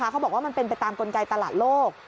เขาบอกว่ามันเป็นไปตามกลไกตลาดโลก